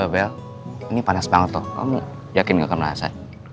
bel ini panas banget loh kamu yakin nggak akan merasa